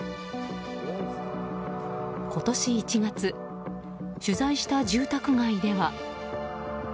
今年１月、取材した住宅街では。